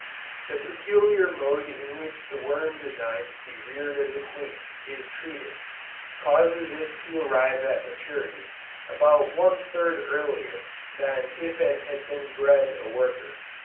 The peculiar mode in which the worm designed to be reared as a queen, is treated, causes it to arrive at maturity, about one third earlier than if it had been bred a worker.